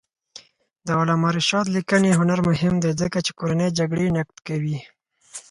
د علامه رشاد لیکنی هنر مهم دی ځکه چې کورنۍ جګړې نقد کوي.